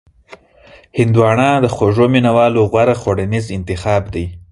هندوانه د خوږو مینوالو غوره خوړنیز انتخاب دی.